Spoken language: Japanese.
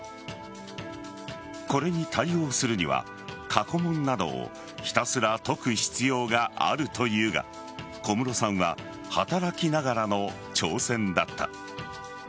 これに対応するには過去問などをひたすら解く必要があるというが小室さんは働きながらの挑戦だった。